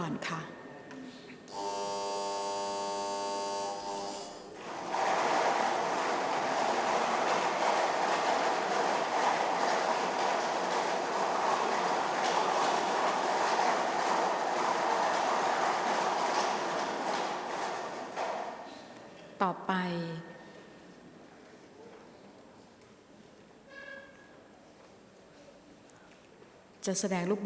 ออกรางวัลเลขหน้า๓ตัวครั้งที่๑ค่ะ